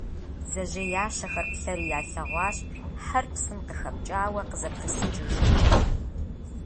Бдзэжьеящэхэр плъэри ялъэгъуащ хьэр псым къыхэпкӀауэ къызэпрысыкӀыжу.